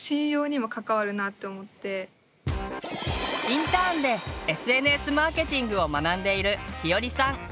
インターンでＳＮＳマーケティングを学んでいるひよりさん。